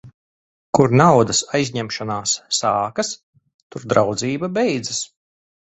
Kur naudas aizņemšanās sākas, tur draudzība beidzas.